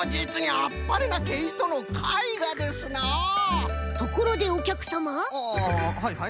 ああはいはい？